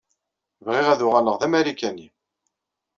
Bɣiɣ ad uɣaleɣ d Amarikani.